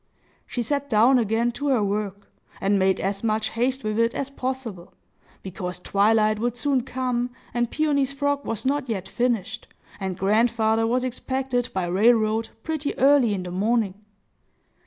She sat down again to her work, and made as much haste with it as possible; because twilight would soon come, and Peony's frock was not yet finished, and grandfather was expected, by railroad, pretty early in the morning.